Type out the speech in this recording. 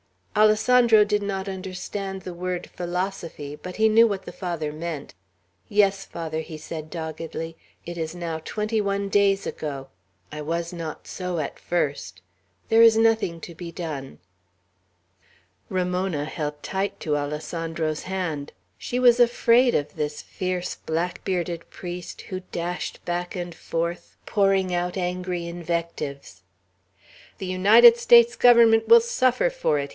Alessandro did not understand the word "philosophy," but he knew what the Father meant. "Yes, Father," he said doggedly. "It is now twenty one days ago. I was not so at first. There is nothing to be done." Ramona held tight to Alessandro's hand. She was afraid of this fierce, black bearded priest, who dashed back and forth, pouring out angry invectives. "The United States Government will suffer for it!"